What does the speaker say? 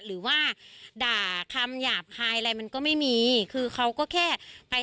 หรือว่าด่าคำหยาบคายอะไรมันก็ไม่มีคือเขาก็แค่ไป